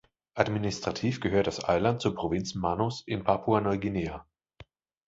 Administrativ gehört das Eiland zur Provinz Manus in Papua-Neuguinea.